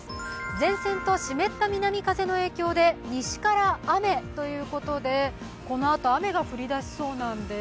前線と湿った南風の影響で西から雨ということで、このあと雨が降りだしそうなんです。